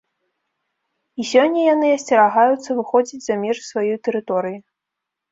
І сёння яны асцерагаюцца выходзіць за межы сваёй тэрыторыі.